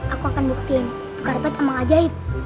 aku akan buktiin tukar pet emang ajaib